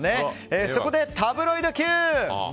そこでタブロイドＱ！